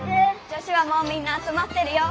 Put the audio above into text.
女子はもうみんなあつまってるよ。